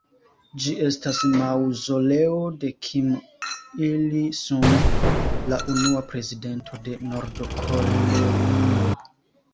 Ĝi estas maŭzoleo de Kim Il-sung, la unua prezidento de Nord-Koreio.